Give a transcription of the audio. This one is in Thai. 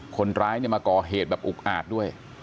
คนร้ายเนี่ยมาก่อเหตุแบบอุ๊กอาดด้วย